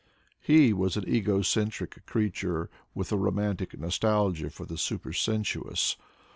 He was an ego centric creature, with a romantic nostalgia for the supersensuous.